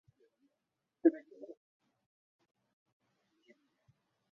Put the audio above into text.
他也活跃于爵士乐表演。